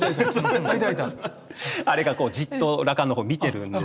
あれがじっと羅漢の方を見てるんですね。